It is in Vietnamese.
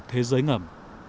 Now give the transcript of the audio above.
thế giới ngầm